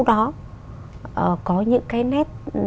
đó có những cái nét